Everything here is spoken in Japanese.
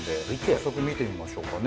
早速見てみましょうかね。